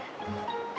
sam luar ya